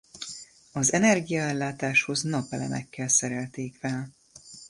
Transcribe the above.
Az energiaellátáshoz napelemekkel szerelték fel.